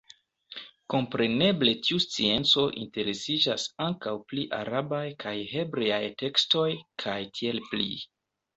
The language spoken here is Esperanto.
Kompreneble tiu scienco interesiĝas ankaŭ pri arabaj kaj hebreaj tekstoj kaj tiel pli.